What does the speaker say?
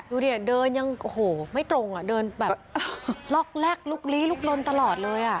ดูดิเดินยังโอ้โหไม่ตรงอ่ะเดินแบบล็อกแรกลุกลี้ลุกลนตลอดเลยอ่ะ